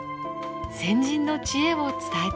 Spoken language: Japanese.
先人の知恵を伝えています。